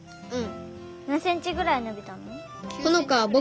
うん。